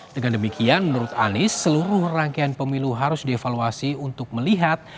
dengan demikian menurut anies seluruh rangkaian pemilu harus dievaluasi untuk melihat